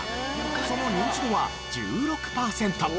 そのニンチドは１６パーセント。